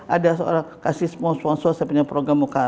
ada seorang kasih sponsor saya punya program